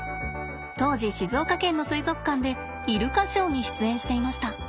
当時静岡県の水族館でイルカショーに出演していました。